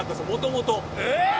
もともと。